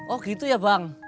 oh gitu ya bang